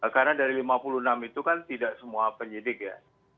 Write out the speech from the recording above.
karena dari lima puluh enam itu kan tidak semua penyidik ya